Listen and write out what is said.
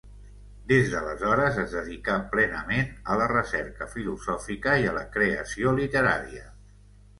Des d'aleshores es dedicà plenament a la recerca filosòfica i a la creació literària.